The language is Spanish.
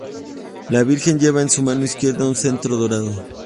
La Virgen lleva en su mano izquierda un cetro dorado.